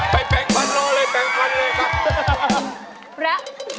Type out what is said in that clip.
ไปแปลงฟันรอเลยแปลงฟันเลยค่ะ